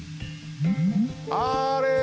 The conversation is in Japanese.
あれ！